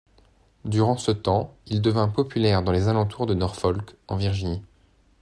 Durant ce temps, il devint populaire dans les alentours de Norfolk, en Virginie.